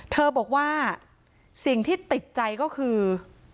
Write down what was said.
บอกว่าสิ่งที่ติดใจก็คือ